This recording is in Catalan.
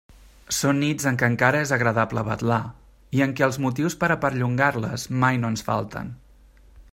Són nits en què encara és agradable vetlar i en què els motius per a perllongar-les mai no ens falten.